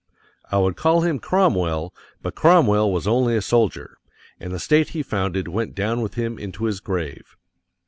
I would call him Cromwell, but Cromwell was only a soldier, and the state he founded went down with him into his grave.